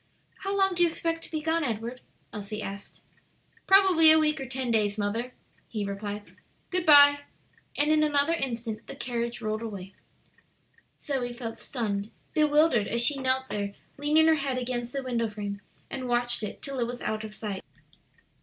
"How long do you expect to be gone, Edward?" Elsie asked. "Probably a week or ten days, mother," he replied. "Good by," and in another instant the carriage rolled away. Zoe felt stunned, bewildered, as she knelt there leaning her head against the window frame and watched it till it was out of sight.